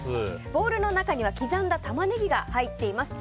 ボウルの中には刻んだタマネギが入っています。